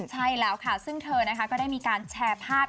ใช่แล้วค่ะซึ่งเธอนะคะก็ได้มีการแชร์ภาพ